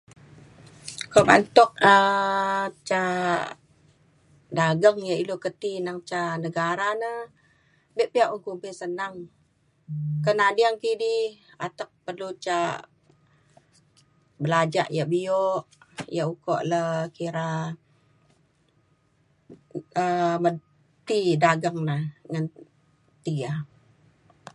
ko ba’an tuk um ca dageng yak ilu ke ti neng ca negara na be pa ia’ senang ke nading kidi atek perlu ca belajak yak bio yak ukok le kira um men ti dageng na ngan ti ya